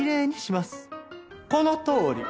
このとおり。